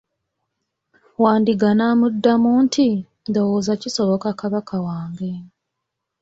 Wandiga n'amuddamu nti, ndowooza kisoboka kabaka wange.